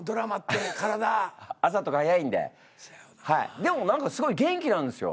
でも何かすごい元気なんですよ。